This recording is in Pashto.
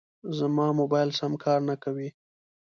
زما موبایل سم کار نه کوي.